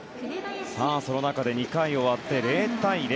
その中で２回終わって０対０。